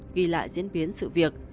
ghi lại diễn biến sự việc